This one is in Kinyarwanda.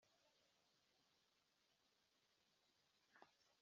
Banki Nkuru ndetse n ibindi bikorwa byose